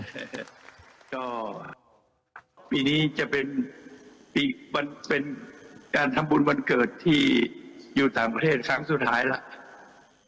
ปีนี้จะเป็นการทำบุญวันเกิดที่อยู่ต่างประเทศครั้งสุดท้ายแล้ว